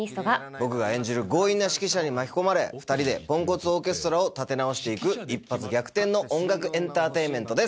僕が演じる強引な指揮者に巻き込まれ、２人でぽんこつオーケストラを立て直していく、一発逆転の音楽エンターテインメントです。